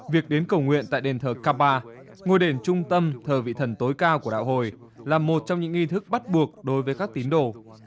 việc đến cầu nguyện tại đền thờ kpa ngôi đền trung tâm thờ vị thần tối cao của đạo hồi là một trong những nghi thức bắt buộc đối với các tín đồ